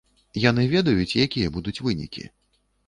Яны ведаюць, якія будуць вынікі?